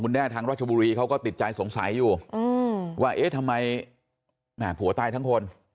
มุนแน่ทางราชบุรีเขาก็ติดใจสงสัยอยู่อือว่าเอ๊ะทำไมภูตายทั้งคน